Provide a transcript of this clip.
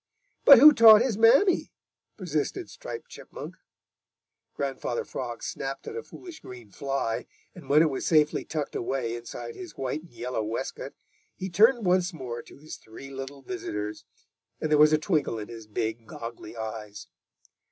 "But who taught his mammy?" persisted Striped Chipmunk. Grandfather Frog snapped at a foolish green fly, and when it was safely tucked away inside his white and yellow waistcoat, he turned once more to his three little visitors, and there was a twinkle in his big, goggly eyes.